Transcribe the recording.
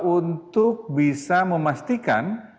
untuk bisa memastikan